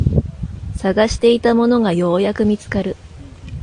探していたものがようやく見つかる